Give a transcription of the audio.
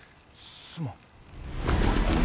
すまん。